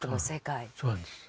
そうなんです。